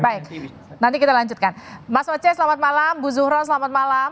baik nanti kita lanjutkan mas oce selamat malam bu zuhro selamat malam